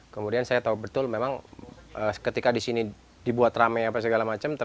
kemudian saya tahu betul memang ketika di sini dibuat rame apa segala macam